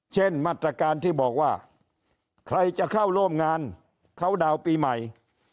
เช่นมาตรการที่บอกว่าใครจะเข้าร่วมงานเข้าดาวน์ปีใหม่